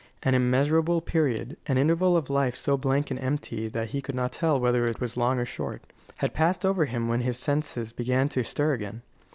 An immeasurable period, an interval of life so blank and empty that he could not tell whether it was long or short, had passed over him when his senses began to stir again.